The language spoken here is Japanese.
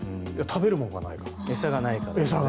食べるものがないから餌がないから。